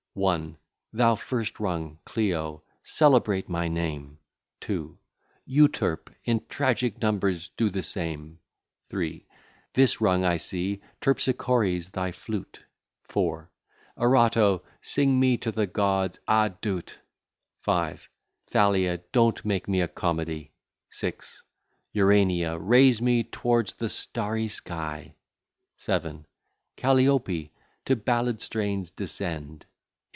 1. Thou first rung, Clio, celebrate my name; 2. Euterp, in tragic numbers do the same. 3. This rung, I see, Terpsichore's thy flute; 4. Erato, sing me to the Gods; ah, do't: 5. Thalia, don't make me a comedy; 6. Urania, raise me tow'rds the starry sky: 7. Calliope, to ballad strains descend, 8.